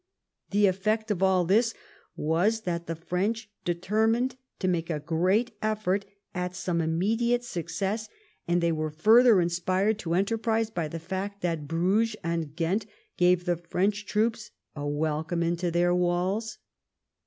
The effect of all £his was that the French determined to make a great effort at some inmiediate success, and they were further inspired to enterprise by the fact that Bruges and Ghent gave the French troops a wel come into their walls.